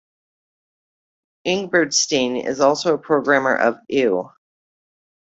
Ingebrigtsen is also programmer of eww.